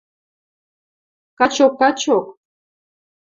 – Качок, качок...